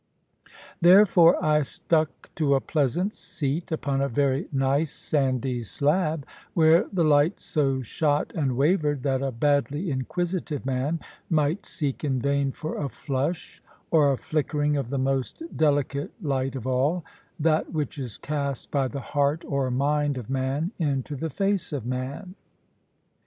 Therefore, I stuck to a pleasant seat upon a very nice sandy slab, where the light so shot and wavered, that a badly inquisitive man might seek in vain for a flush or a flickering of the most delicate light of all that which is cast by the heart or mind of man into the face of man.